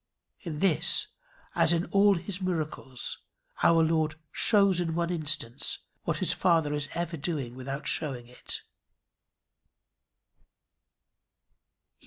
In this, as in all his miracles, our Lord shows in one instance what his Father is ever doing without showing it.